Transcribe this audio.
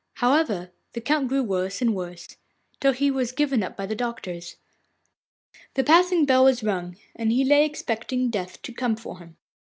However, the Count grew worse and worse till he was given up by the doctors. The passing bell was rung, and he lay expecting Death to come for him.